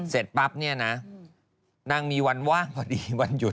เสร็จปั๊บเนี่ยนะนางมีวันว่างพอดีวันหยุด